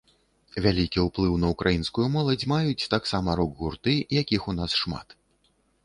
Вялікі ўплыў на ўкраінскую моладзь маюць таксама рок-гурты, якіх у нас шмат.